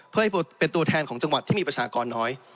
เพื่อให้เป็นตัวแทนของจังหวัดที่มีประชากรน้อย